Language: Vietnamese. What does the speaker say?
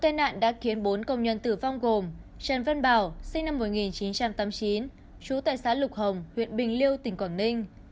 tai nạn đã khiến bốn công nhân tử vong gồm trần văn bảo sinh năm một nghìn chín trăm tám mươi chín trú tại xã lục hồng huyện bình liêu tỉnh quảng ninh